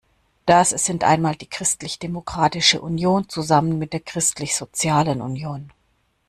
Das sind einmal die Christlich Demokratische Union zusammen mit der Christlich sozialen Union.